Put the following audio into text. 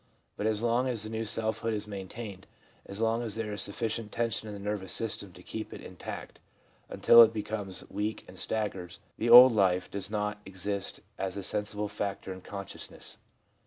But as long as the new self hood is maintained, as long as there is sufficient tension in the nervous system to keep it intact, until it becomes weak and staggers, the old life does not exist as a sensible factor in consciousness.